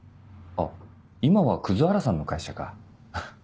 あっ今は葛原さんの会社か。